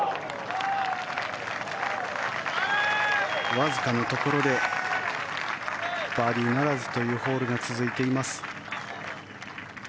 わずかなところバーディーならずというホールが続いています。